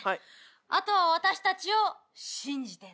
あとは私たちを信じてね。